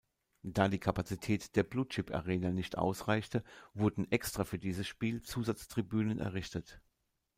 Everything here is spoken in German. Da die Kapazität der bluechip-Arena nicht ausreichte, wurden extra für dieses Spiel Zusatztribünen errichtet.